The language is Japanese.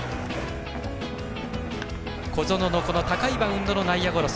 小園の高いバウンドの内野ゴロ。